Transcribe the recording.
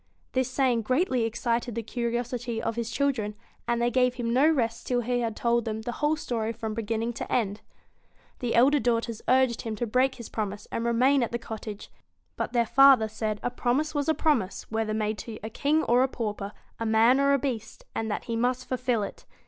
This saying greatly excited the curiosity of his children, and they gave him no rest till he had told them the whole story from beginning to end. The elder daughters urged him to break his promise and remain at the cottage; but their father said that a promise was a promise, whether made to a king or a pauper, a man or a beast, and that he must fulfil it.